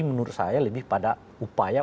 menurut saya lebih pada upaya